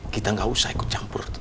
kita gak usah ikut campur